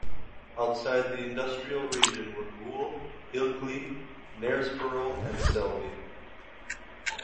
Outside the industrial region were Goole, Ilkley, Knaresborough and Selby.